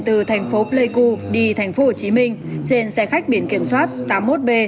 từ thành phố pleiku đi thành phố hồ chí minh trên xe khách biển kiểm soát tám mươi một b một nghìn bảy trăm hai mươi sáu